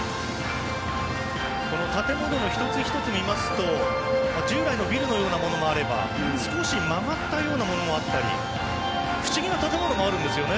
建物の一つ一つ見ますと従来のビルのようなものもあれば少し曲がったようなものもあったり不思議な建物もあるんですよね。